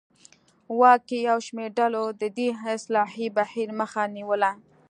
واک کې یو شمېر ډلو د دې اصلاحي بهیر مخه نیوله.